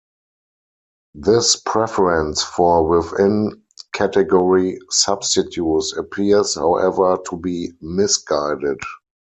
This preference for within-category substitutes appears, however, to be misguided.